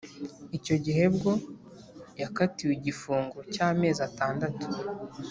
Icyo gihe bwo yakatiwe igifungo cy amezi atandatu